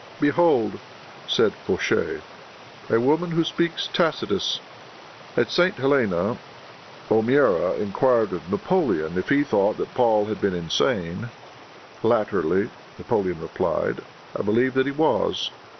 "Behold," said Fouché, "a woman who speaks Tacitus." At St. Helena, O'Meara enquired of Napoleon if he thought that Paul had been insane. "Latterly," Napoleon replied, "I believe that he was.